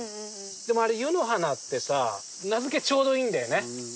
あれ湯の花ってさ名付けちょうどいいんだよね。